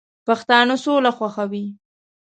پښتانه سوله خوښوي